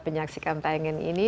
menyaksikan tayangan ini